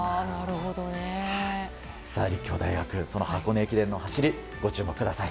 立教大学、箱根駅伝の走りにご注目ください。